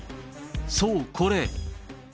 そう、これ。